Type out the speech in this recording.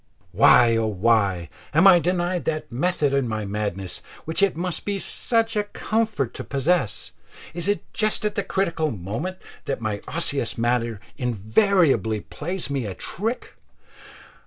Why, oh why, am I denied that method in my madness which it must be such a comfort to possess? It is just at the critical moment that my osseous matter invariably plays me a trick.